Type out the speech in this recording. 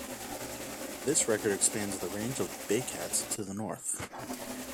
This record expands the range of bay cats to the north.